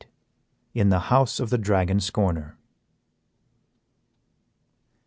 In the House of the Dragon Scorner.